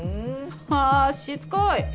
あぁしつこい。